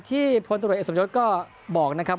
พลตรวจเอกสมยศก็บอกนะครับ